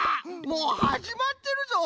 もうはじまってるぞ！